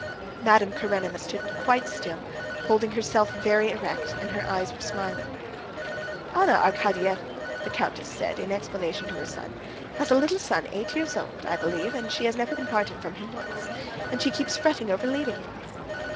Madame Karenina stood quite still, holding herself very erect, and her eyes were smiling. "Anna Arkadyevna," the countess said in explanation to her son, "has a little son eight years old, I believe, and she has never been parted from him before, and she keeps fretting over leaving him."